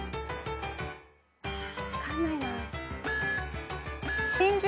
分かんないな。